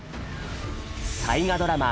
大河ドラマ